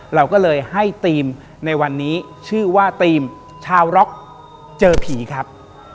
เราก็เลยให้ทีมในวันนี้ชื่อว่าธีมชาวร็อกเจอผีครับ